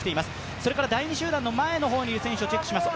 それから第２集団の前にいる選手をチェックします。